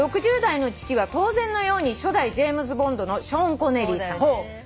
「６０代の父は当然のように初代ジェームズ・ボンドのショーン・コネリーさん」